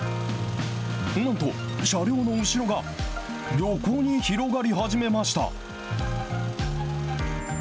なんと、車両の後ろが横に広がり始めました。